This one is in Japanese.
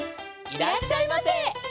いらっしゃいませ。